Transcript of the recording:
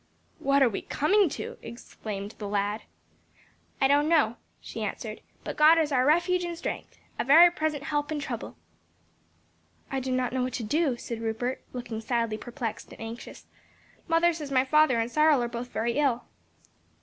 "What are we coming to!" exclaimed the lad. "I don't know," she answered: "but God is our refuge and strength; a very present help in trouble!'" "I do not know what to do," said Rupert, looking sadly perplexed and anxious; "mother says my father and Cyril are both very ill."